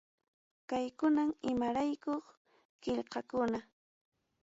Kaykunam imayrikuq qillqakuna.